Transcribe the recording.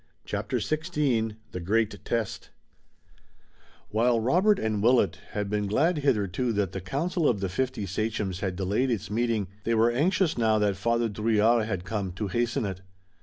CHAPTER XVI THE GREAT TEST While Robert and Willet had been glad hitherto that the council of the fifty sachems had delayed its meeting, they were anxious, now that Father Drouillard had come, to hasten it.